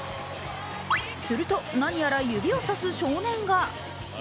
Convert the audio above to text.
すると、何やら指を差す少年が。